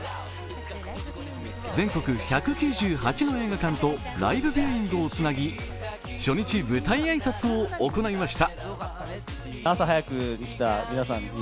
全国１９８の映画館と、ライブビューイングをつなぎ初日舞台挨拶を行いました。